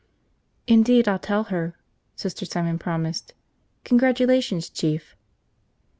"Indeed I'll tell her," Sister Simon promised. "Congratulations, Chief."